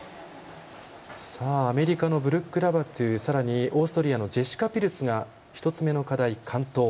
アメリカのブルック・ラバトゥさらにオーストリアのジェシカ・ピルツが１つ目の課題、完登。